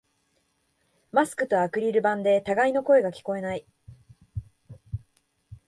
マスクとアクリル板で互いの声が聞こえない